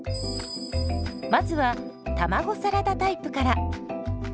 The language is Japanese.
まずは卵サラダタイプから。